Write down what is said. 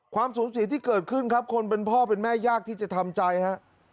ความสูญเสียที่เกิดขึ้นครับคนเป็นพ่อเป็นแม่ยากที่จะทำใจฮะ